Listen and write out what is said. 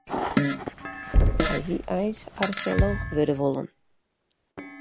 Hy hie eins archeolooch wurde wollen.